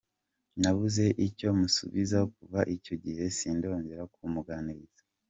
Nabuze icyo musubiza kuva icyo gihe sindongera kumuganiriza.